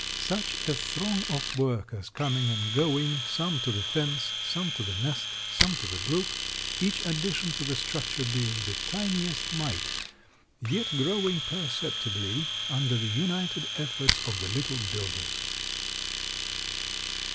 Such a throng of workers coming and going, some to the fence, some to the nest, some to the brook, each addition to the structure being the tiniest mite, yet growing perceptibly under the united efforts of the little builders.